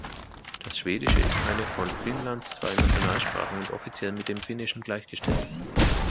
Das Schwedische ist eine von Finnlands zwei Nationalsprachen und offiziell mit dem Finnischen gleichgestellt.